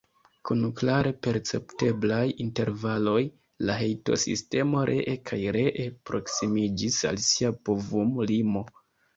Kun klare percepteblaj intervaloj, la hejtosistemo ree kaj ree proksimiĝis al sia povum-limo.